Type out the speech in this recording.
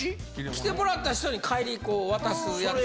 来てもらった人に、帰り、渡すやつ。